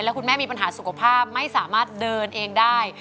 คุณแม่มีปัญหาสุขภาพไม่สามารถเดินเองได้